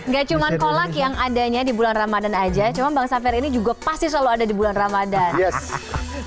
gak cuma kolak yang adanya di bulan ramadhan aja cuma bang safir ini juga pasti selalu ada di bulan ramadan